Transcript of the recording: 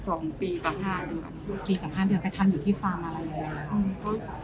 สองปีกับห้าเดือนสองปีกับห้าเดือนไปทำอยู่ที่ฟาร์มอะไรอย่างเงี้ย